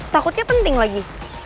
takutnya penting lagi